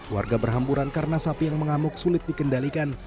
warga berhamburan karena sapi yang mengamuk sulit dikendalikan